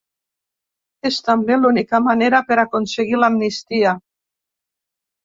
És, també, “l’única manera per aconseguir l’amnistia”.